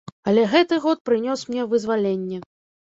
Але гэты год прынёс мне вызваленне.